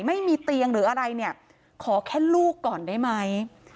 ไม่มีเตียงหรืออะไรเนี่ยขอแค่ลูกก่อนได้ไหม